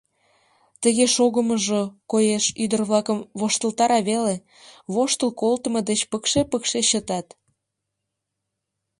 Тыге шогымыжо, коеш, ӱдыр-влакым воштылтара веле, воштыл колтымо деч пыкше-пыкше чытат.